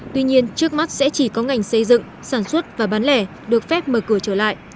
tuy nhiên trước mắt sẽ chỉ có ngành xây dựng sản xuất và bán lẻ được phép mở cửa trở lại